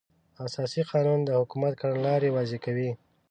اساسي قانون د حکومت کړنلاره واضح کوي.